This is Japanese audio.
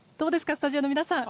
スタジオの皆さん。